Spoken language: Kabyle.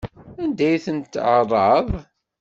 Anda ay tent-tɛerraḍ?